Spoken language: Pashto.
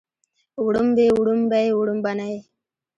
وړومبي وړومبۍ وړومبنۍ